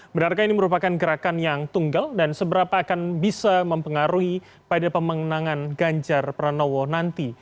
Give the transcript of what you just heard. benarkah ini merupakan gerakan yang tunggal dan seberapa akan bisa mempengaruhi pada pemenangan ganjar pranowo nanti